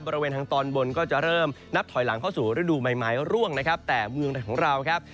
บริเวณทางตอนบนก็จะเริ่มนับถอยหลังเข้าสู่ฤดูใหม่ไม้ร่วงนะครับแต่เมืองไทยของเราครับ